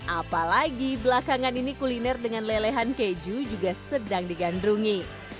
apalagi belakangan ini kuliner dengan lelehan keju juga sedang digandrungi